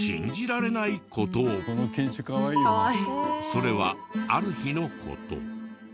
それはある日の事。